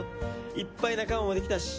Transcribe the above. いっぱい仲間もできたし。